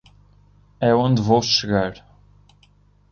É onde vou chegar.